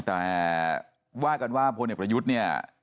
แต่ว่ากันว่าพลเอกประยุทธ์เนี่ย